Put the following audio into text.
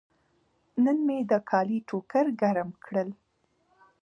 نن مې د کالي ټوکر ګرم کړل.